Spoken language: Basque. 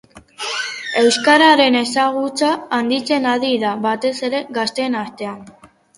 Euskararen ezagutza handitzen ari da, batez ere gazteen artean.